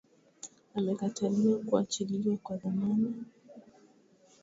amekataliwa kuachiliwa kwa dhamana